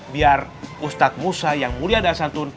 biar ustadz musa yang mulia dan santun